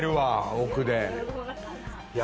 奥で。